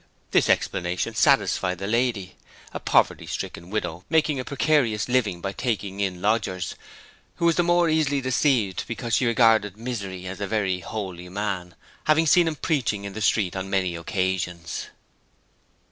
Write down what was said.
This explanation satisfied the lady a poverty stricken widow making a precarious living by taking in lodgers who was the more easily deceived because she regarded Misery as a very holy man, having seen him preaching in the street on many occasions.